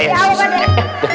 ya allah padeh